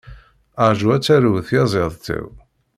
Ṛǧu ar d tarew tyaziḍt-iw!